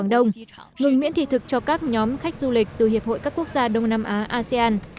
đông ngừng miễn thị thực cho các nhóm khách du lịch từ hiệp hội các quốc gia đông nam á asean